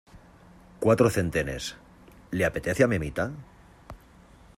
cuatro centenes, ¿ le apetece a mi amita?